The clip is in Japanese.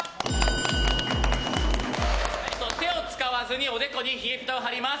手を使わずにおでこに冷えピタを貼ります。